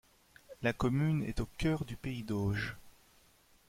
La commune est au cœur du pays d'Auge.